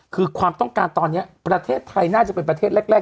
คือความต้องการตอนนี้ประเทศไทยน่าจะเป็นประเทศแรก